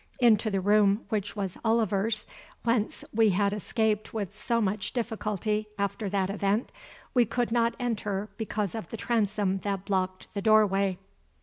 Into the room which was Oliver's, whence we had escaped with so much difficulty after that event, we could not enter because of the transom that blocked the doorway.